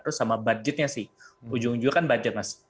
terus sama budgetnya sih ujung ujungnya kan budget mas